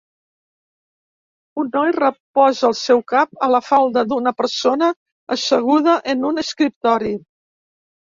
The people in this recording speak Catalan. Un noi reposa el seu cap a la falda d'una persona asseguda en un escriptori